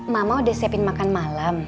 mama udah siapin makan malam